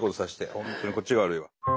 本当にこっちが悪いわ。